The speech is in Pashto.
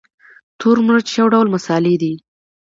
تور مرچ یو ډول مسالې دي